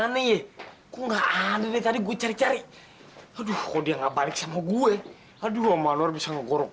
nih kok nggak ada tadi gue cari cari aduh dia nggak balik sama gue aduh manor bisa ngobrol